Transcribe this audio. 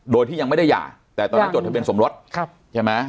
โดยที่ยังไม่ได้หย่าแต่ตอนนั้นจดทะเบียนสมรสใช่ไหม